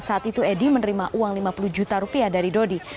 saat itu edi menerima uang lima puluh juta rupiah dari dodi